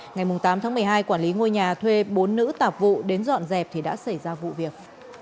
ngày tám tháng một mươi hai quản lý ngôi nhà thuê bốn nữ tạp vụ đến dọn dẹp thì đã xảy ra vụ việc